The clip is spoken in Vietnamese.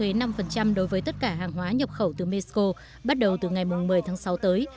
mỹ sẽ đạt bức thuế năm đối với tất cả hàng hóa nhập khẩu từ mexico bắt đầu từ ngày một mươi tháng sáu tới